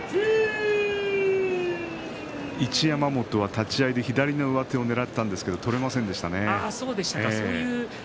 一山本は立ち合い左のまわしをねらいましたが取れませんでしたね。